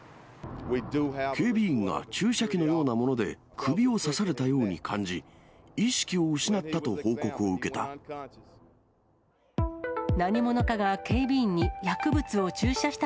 警備員が注射器のようなもので首を刺されたように感じ、意識を失ったと報告を受けた。